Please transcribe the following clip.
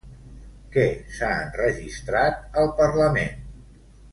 Què s'ha enregistrat al Parlament?